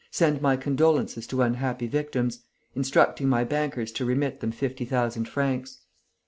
Send my condolences to unhappy victims. Instructing my bankers to remit them fifty thousand francs.